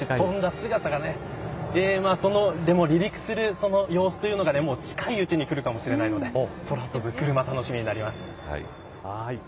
離陸する様子というのが近いうちにくるかもしれないので空飛ぶクルマ楽しみになります。